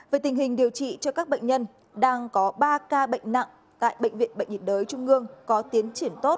về tình hình điều trị cho các bệnh nhân đang có ba ca bệnh nặng tại bệnh viện bệnh nhiệt đới trung ương có tiến triển tốt